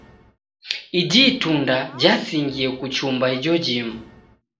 Iji itunda jasingie kuchumba ijo jimu.